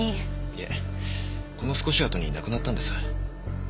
いえこの少しあとに亡くなったんです。